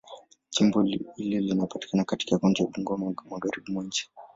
Jimbo hili linapatikana katika kaunti ya Bungoma, Magharibi mwa nchi.